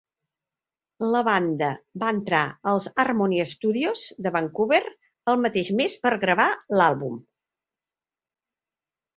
La banda va entra als Armoury Studios de Vancouver el mateix mes per gravar l'àlbum.